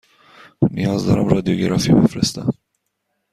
نیاز دارم رادیوگرافی بفرستم.